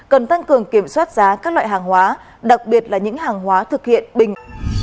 cần tăng cường kiểm soát giá các loại hàng hóa đặc biệt là những hàng hóa thực hiện bình